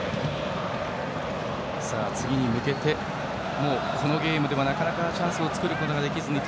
次に向けて、このゲームではなかなかチャンスを作ることができずに。